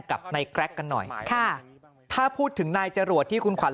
กับนายแกรกกันหน่อยค่ะถ้าพูดถึงนายจรวดที่คุณขวัญ